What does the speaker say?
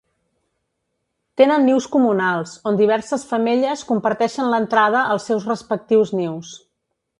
Tenen nius comunals, on diverses femelles comparteixen l'entrada als seus respectius nius.